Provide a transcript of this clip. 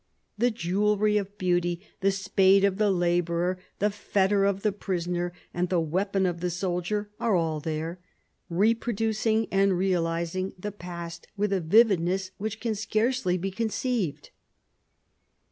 The jewelry of beauty, the spade of the laborer, the fetter of the prisoner and the weapon of the soldier are all there, reproducing and realizing the past with a vividness which can scarcely be conceived."